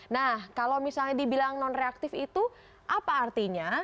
nah kalau misalnya dibilang non reaktif itu apa artinya